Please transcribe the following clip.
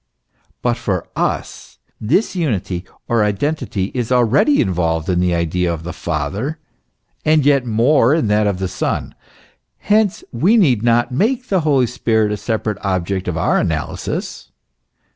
But for us this unity or identity is already involved in the idea of the Father, and yet more in that of the Son. Hence we need not make the Holy Spirit a separate object of our analysis.